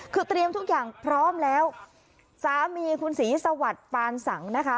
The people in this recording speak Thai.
คือเตรียมทุกอย่างพร้อมแล้วสามีคุณศรีสวัสดิ์ปานสังนะคะ